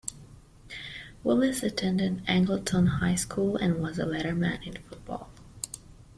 Willis attended Angleton High School and was a letterman in football.